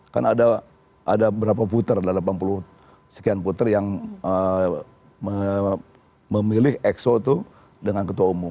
kan ada berapa puter ada delapan puluh sekian puter yang memilih exo itu dengan ketua umum